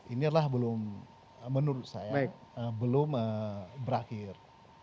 inilah belum menurut saya belum berakhir